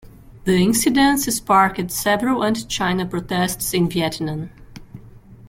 The incidence sparked several anti-China protests in Vietnam.